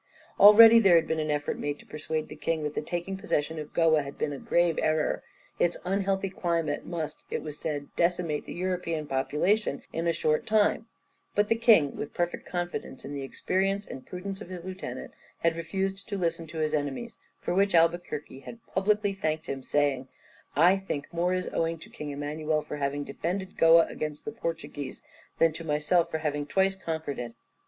Already there had been an effort made to persuade the king that the taking possession of Goa had been a grave error; its unhealthy climate must, it was said, decimate the European population in a short time, but the king, with perfect confidence in the experience and prudence of his lieutenant, had refused to listen to his enemies, for which Albuquerque had publicly thanked him, saying, "I think more is owing to King Emmanuel for having defended Goa against the Portuguese, than to myself for having twice conquered it."